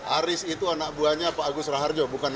aris itu anak buahnya pak agus raharjo bukan anak buahnya